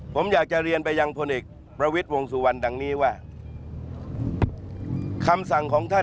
ผมอยากจะเรียนไปยังพลเอกประวิดวงสุวรรณดังนี้ว่า